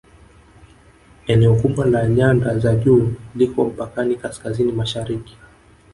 Eneo kubwa la nyanda za juu liko mpakani Kaskazini Mashariki